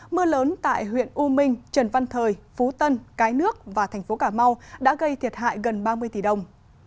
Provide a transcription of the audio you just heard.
mưa lớn tại huyện u minh trần văn thời phú tân cái nước và thành phố cà mau đã gây thiệt hại gần ba mươi tỷ đồng